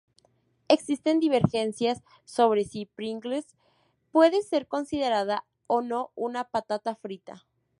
Existen divergencias sobre si Pringles puede ser considerada o no una patata frita.